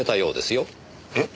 えっ？